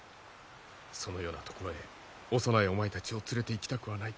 そのような所へ幼いお前たちを連れていきたくはない。